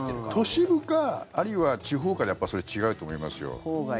都市部かあるいは地方かでそれは違うと思いますよ。